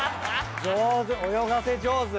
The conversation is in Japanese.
上手。